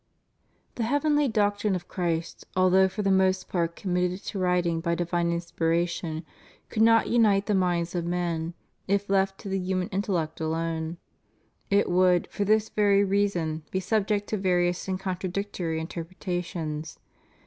The heavenly doctrine of Christ, although for the most part committed to writing by divine inspiration, could not unite the minds of men if left to the human intellect alone. It would, for this very reason, be subject to various and contradictory interpretations.